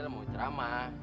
dia mau cerama